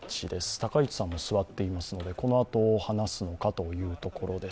高市さんも座っていますのでこのあと話すのかというところです。